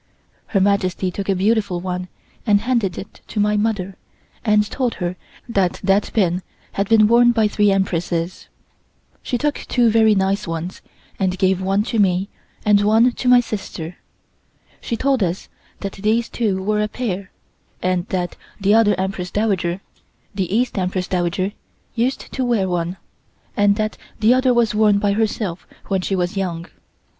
Her Majesty took a beautiful one and handed it to my mother and told her that that pin had been worn by three Empresses. She took two very nice ones, and gave one to me and one to my sister. She told us that these two were a pair, and that the other Empress Dowager (the East Empress Dowager) used to wear one, and that the other was worn by herself when she was young.